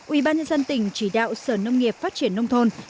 ủy ban nhân dân tỉnh chỉ đạo sở nông nghiệp phát triển nông thôn